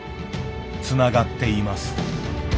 つながっています。